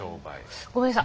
ごめんなさい。